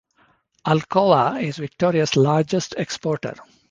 Alcoa is Victoria's largest exporter.